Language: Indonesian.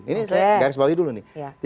ini saya garis bawahi dulu nih